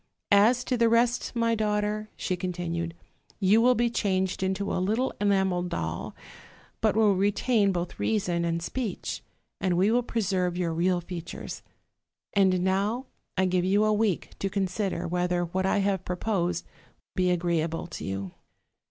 'As to the rest, my daughter/ she continued, 'you will be changed OLD, OLD FAIRY TALES. 309 into a little enamel doll, but will retain both reason and speech, and we will preserve your real features; and now I give you a week to consider whether what I have proposed be agreeable to you.'